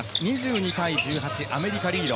２２対１８、アメリカリード。